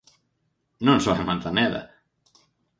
Non só en Manzaneda.